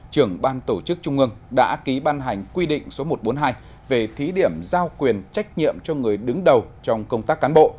trưởng ban tổ chức trung ương đã ký ban hành quy định số một trăm bốn mươi hai về thí điểm giao quyền trách nhiệm cho người đứng đầu trong công tác cán bộ